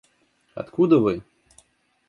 Откуда вы?